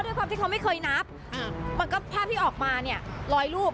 ทั้งหมดเชื่อเขาว่า๕นาทีมันหายได้๑๐๐ลูก